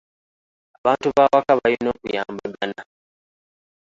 Abantu b'awaka balina okuyambagana.